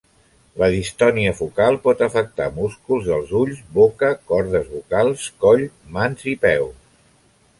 La distonia focal pot afectar músculs dels ulls, boca, cordes vocals, coll, mans i peus.